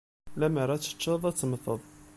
Lemmer ad t-teččeḍ, ad temmteḍ.